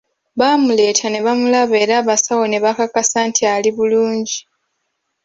Baamuleeta ne bamulaba era abasawo ne babakakasa nti ali bulungi.